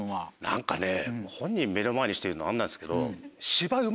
何かね本人目の前にして言うのも何なんですけど。